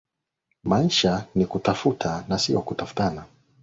Maisha ni kutafuta na sio kutafutana.